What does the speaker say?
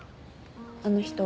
あの人